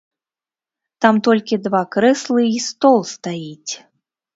Там толькі два крэслы й стол стаіць.